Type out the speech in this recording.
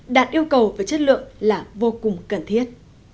đạt yêu cầu về chất lượng là vô cùng cần thiết